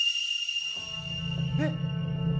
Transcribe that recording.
えっ。